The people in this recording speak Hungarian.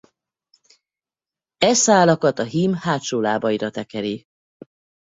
E szálakat a hím hátsó lábaira tekeri.